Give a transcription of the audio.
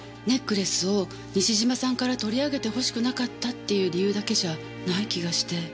ネックレスを西島さんから取り上げてほしくなかったっていう理由だけじゃない気がして。